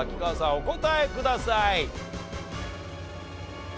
お答えください。